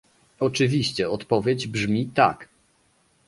Oczywiście odpowiedź brzmi "tak"